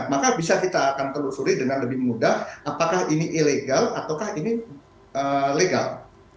maka bisa kita akan telusuri dengan lebih mudah apakah ini ilegal ataukah ini legal